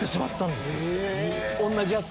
同じやつ？